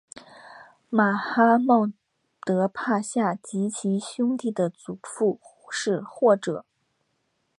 马哈茂德帕夏及其兄弟的祖父是或者。